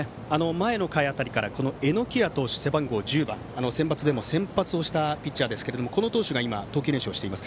前の回辺りから榎谷投手、背番号１０番センバツでも先発したピッチャーですがこの投手が投球練習をしています。